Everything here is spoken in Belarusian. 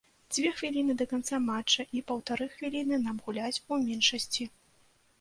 Дзве хвіліны да канца матча і паўтары хвіліны нам гуляць у меншасці.